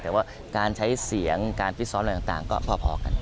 แต่ว่าการใช้เสียงการฟิตซ้อมอะไรต่างก็พอกัน